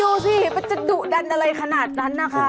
ดูสิมันจะดุดันอะไรขนาดนั้นนะคะ